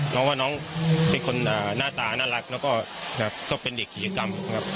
เพราะว่าน้องเป็นคนหน้าตาน่ารักแล้วก็เป็นเด็กกิจกรรมครับ